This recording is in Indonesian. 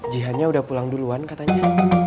jihan nya udah pulang duluan katanya